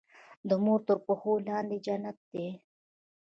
د مور تر پښو لاندي جنت دی.